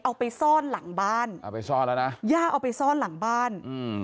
เอาไปซ่อนหลังบ้านเอาไปซ่อนแล้วนะย่าเอาไปซ่อนหลังบ้านอืม